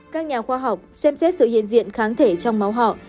các nhà khoa học xem xét sự hiện diện kháng thể trong máu họ